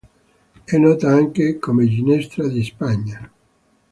È nota anche come ginestra di Spagna.